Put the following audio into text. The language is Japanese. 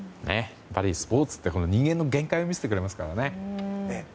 スポーツって人間の限界を見せてくれますからね。